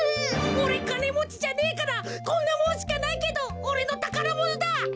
おれかねもちじゃねえからこんなもんしかないけどおれのたからものだ！